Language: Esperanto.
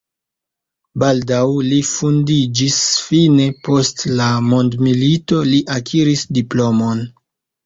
Baldaŭ li vundiĝis, fine post la mondomilito li akiris diplomon.